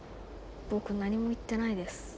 僕何も言ってないです。